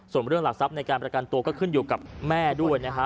ส่วนเรื่องหลักทรัพย์ในการประกันตัวก็ขึ้นอยู่กับแม่ด้วยนะฮะ